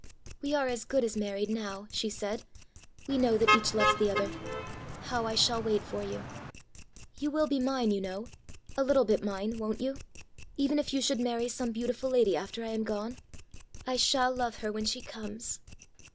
"We are as good as married now," she said: "we know that each loves the other! How I shall wait for you! You will be mine, you know a little bit mine won't you? even if you should marry some beautiful lady after I am gone? I shall love her when she comes."